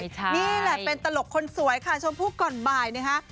นี่แหละเป็นตลกคนสวยค่ะชมพู่ก่อนบ่ายนะคะ